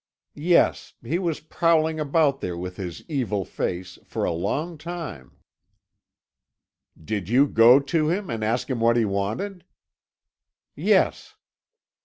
"Yes; he was prowling about there with his evil face, for a long time." "Did you go to him, and ask him what he wanted?" "Yes."